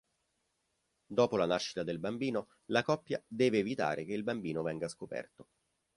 Dopo la nascita del bambino, la coppia deve evitare che il bambino venga scoperto.